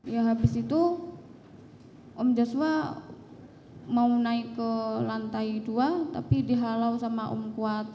ya habis itu om joshua mau naik ke lantai dua tapi dihalau sama om kuat